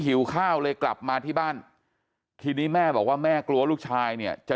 หิวข้าวเลยกลับมาที่บ้านทีนี้แม่บอกว่าแม่กลัวลูกชายเนี่ยจะ